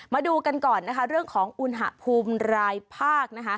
มาดูกันก่อนเรื่องของอุณหภูมิรายภาค